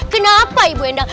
kenapa ibu endang